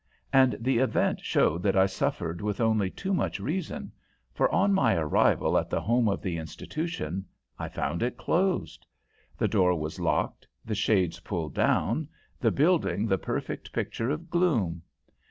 And the event showed that I suffered with only too much reason, for, on my arrival at the home of the institution, I found it closed. The door was locked, the shades pulled down, the building the perfect picture of gloom.